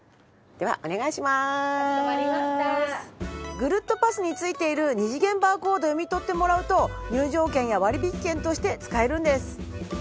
ぐるっとパスについている二次元バーコードを読み取ってもらうと入場券や割引券として使えるんです。